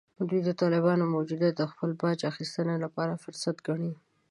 دوی د طالبانو موجودیت د خپل باج اخیستنې لپاره فرصت ګڼي